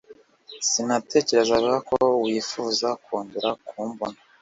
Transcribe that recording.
Sinatekerezaga ko wifuza kongera kumbona.